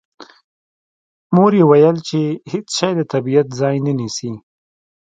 مور به یې ویل چې هېڅ شی د طبیعت ځای نه نیسي